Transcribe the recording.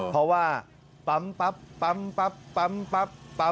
เพราะว่าปั๊มปั๊มปั๊มปั๊มปั๊มปั๊ม